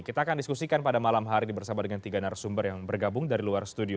kita akan diskusikan pada malam hari ini bersama dengan tiga narasumber yang bergabung dari luar studio